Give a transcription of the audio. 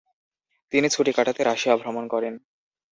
তিনি ছুটি কাটাতে রাশিয়া ভ্রমণ করেন।